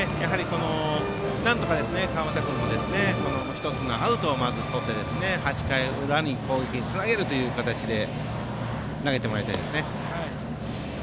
なんとか、川端君も１つのアウトをとって８回裏の攻撃につなげるという形で投げてもらいたいですね。